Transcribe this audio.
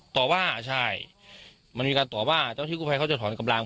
ต่อว่าใช่มันมีการต่อว่าเจ้าที่กู้ภัยเขาจะถอนกำลัง